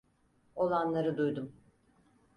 Olanları duydum.